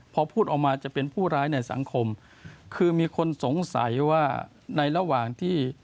พอพูดออกมาจะเป็นผู้ร้ายในสังคมคือมีคนสงสัยว่าในระหว่างที่